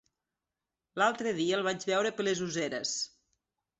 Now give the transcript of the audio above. L'altre dia el vaig veure per les Useres.